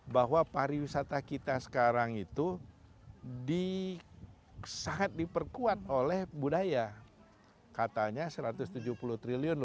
bahwa pariwisata kita sekarang itu sangat diperkuat oleh budaya katanya rp satu ratus tujuh puluh triliun